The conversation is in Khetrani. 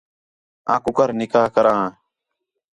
آں کُکر نکاح کراں